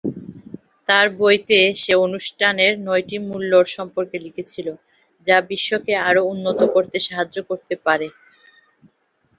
তার বইতে সে অনুষ্ঠানের নয়টি মূল্যের সম্পর্কে লিখেছিল, যা বিশ্বকে আরও উন্নত করতে সাহায্য করতে পারে।